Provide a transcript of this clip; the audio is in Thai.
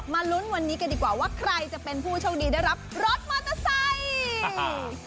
ลุ้นวันนี้กันดีกว่าว่าใครจะเป็นผู้โชคดีได้รับรถมอเตอร์ไซค์